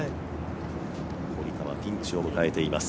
堀川、ピンチを迎えています